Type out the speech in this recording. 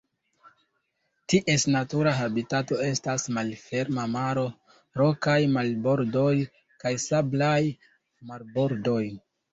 Ties natura habitato estas malferma maro, rokaj marbordoj, kaj sablaj marbordoj.